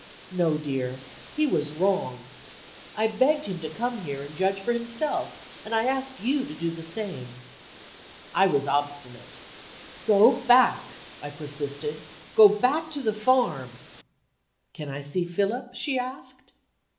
"No, dear, he was wrong. I begged him to come here, and judge for himself; and I ask you to do the same." I was obstinate. "Go back!" I persisted. "Go back to the farm!" "Can I see Philip?" she asked.